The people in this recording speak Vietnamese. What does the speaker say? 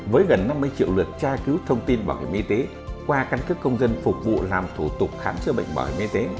với gần năm mươi triệu lượt tra cứu thông tin bảo hiểm y tế qua căn cước công dân phục vụ làm thủ tục khám chữa bệnh bảo hiểm y tế